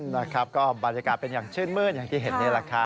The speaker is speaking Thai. นะครับก็บรรยากาศเป็นอย่างชื่นมื้นอย่างที่เห็นนี่แหละครับ